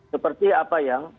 seperti apa yang